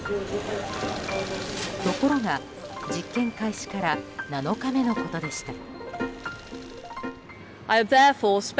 ところが実験開始から７日目のことでした。